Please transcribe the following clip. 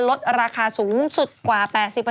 ลดราคาสูงสุดกว่า๘๐